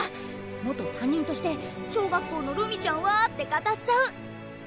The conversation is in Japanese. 元担任として「小学校のるみちゃんは」って語っちゃう。